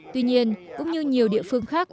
tuy nhiên cũng như nhiều địa phương khác